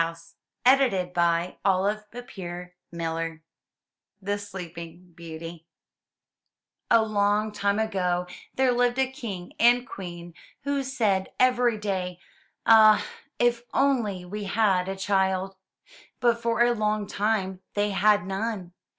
Hlt.OI> Ht nv 25 MY BOOK HOUSE THE SLEEPING BEAUTY A long time ago there lived a King and Queen who said every day, '*Ah, if only we had a child! but for a long time they had none.